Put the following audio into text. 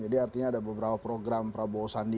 jadi artinya ada beberapa program prabowo sandi